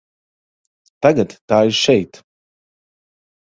Tagad tā ir šeit.